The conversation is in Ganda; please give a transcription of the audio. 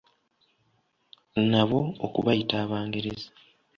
Nabo okubayita Abangereza.